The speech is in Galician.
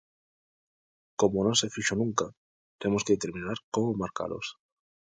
Como non se fixo nunca, temos que determinar como marcalos.